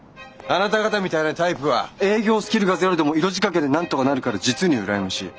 あなた方みたいなタイプは営業スキルがゼロでも色仕掛けでなんとかなるから実に羨ましい。